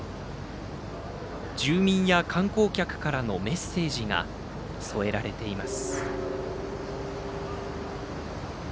住民や観光客からのメッセージが添えられています。